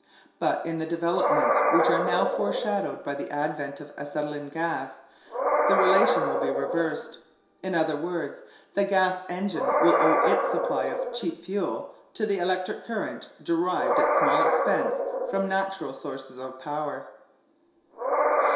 But in the developments which are now foreshadowed by the advent of acetylene gas the relation will be reversed. In other words, the gas engine will owe its supply of cheap fuel to the electric current derived at small expense from natural sources of power.